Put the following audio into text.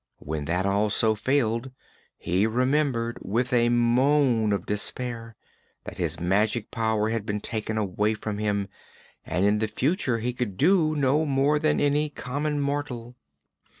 When that also failed, he remembered, with a moan of despair, that his magic power had been taken away from him and in the future he could do no more than any common mortal.